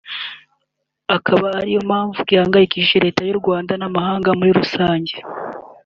akaba ari yo mpamvu gihangayikishije Leta y’u Rwanda n’amahanga muri rusange